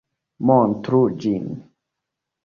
Montru ĝin!